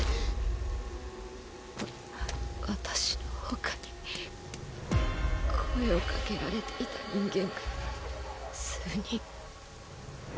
私の他に声をかけられていた人間が数人。